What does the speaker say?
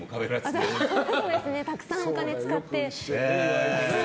はい、たくさんお金使って。